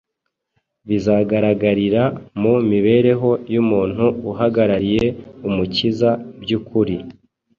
bizagaragarira mu mibereho y’umuntu uhagarariye Umukiza by’ukuri.